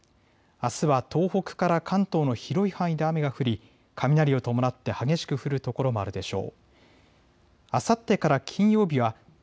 あすは東北から関東の広い範囲で雨が降り雷を伴って激しく降る所もあるでしょう。